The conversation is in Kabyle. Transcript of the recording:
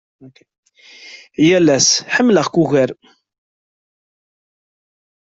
Yal ass ḥemmleɣ-k ugar.